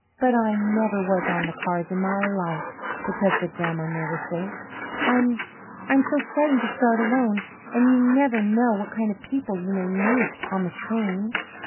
"But I never was on the cars in my life," protested Grandma nervously. "I'm I'm so frightened to start alone. And you never know what kind of people you may meet on the train."